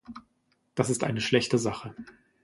Das ist eine schlechte Sache.